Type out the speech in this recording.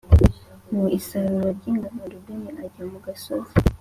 Mu isarura ry ingano Rubeni ajya mu gasozi